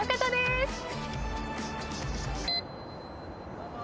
どうも。